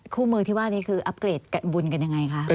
คู่มือที่ว่านี้คืออัปเกรดบุญกันยังไงคะ